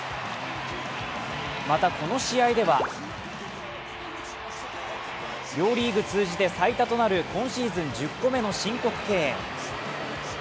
またこの試合では両リーグ通じて最多となる今シーズン１０個目となる申告敬遠。